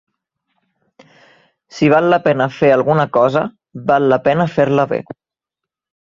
Si val la pena fer alguna cosa, val la pena fer-la bé.